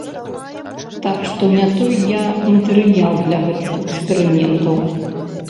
Так што не той я матэрыял для гэтых эксперыментаў.